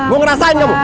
mau ngerasain kamu